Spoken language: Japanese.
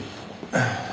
ああ。